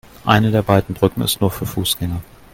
Eine der beiden Brücken ist nur für Fußgänger.